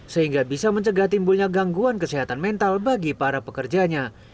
sehingga bisa mencegah timbulnya gangguan kesehatan mental bagi para pekerjanya